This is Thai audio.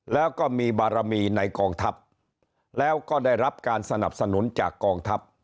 แล้วก็มีบารมีในกองทัพแล้วก็ได้รับการสนับสนุนจากกองทัพ